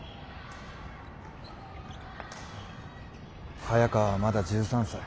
早川はまだ１３歳。